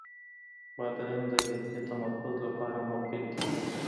بادرنګ د ذهني تمرکز لپاره مفید دی.